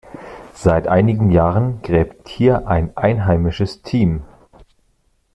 Seit einigen Jahren gräbt hier ein einheimisches Team.